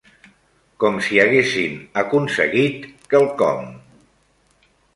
Com si haguessin aconseguit quelcom.